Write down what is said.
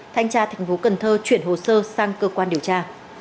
thanh tra thành phố cần thơ chuyển hồ sơ sang cơ quan điều tra